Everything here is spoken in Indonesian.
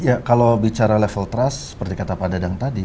ya kalau bicara level trust seperti kata pak dadang tadi